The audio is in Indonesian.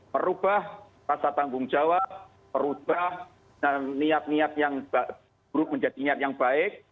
merubah rasa tanggung jawab merubah niat niat yang buruk menjadi niat yang baik